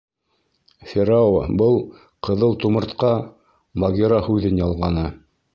— Ферао был, ҡыҙыл тумыртҡа, — Багира һүҙен ялғаны.